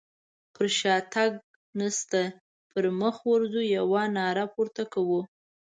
پر شاتګ نشته پر مخ ورځو يوه ناره پورته کوو.